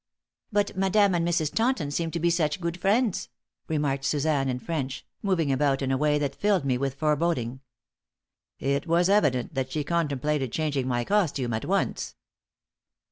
"But madame and Mrs. Taunton seem to be such good friends," remarked Suzanne, in French, moving about in a way that filled me with foreboding. It was evident that she contemplated changing my costume at once.